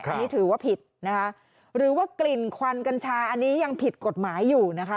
อันนี้ถือว่าผิดนะคะหรือว่ากลิ่นควันกัญชาอันนี้ยังผิดกฎหมายอยู่นะคะ